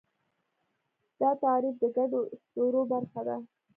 دا تعریف د ګډو اسطورو برخه ده.